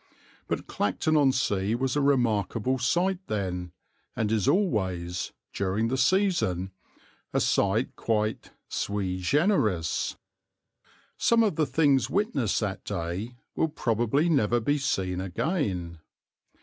But Clacton on Sea was a remarkable sight then, and is always, during the season, a sight quite sui generis. Some of the things witnessed that day will probably never be seen again.